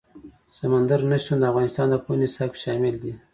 سمندر نه شتون د افغانستان د پوهنې نصاب کې شامل دي.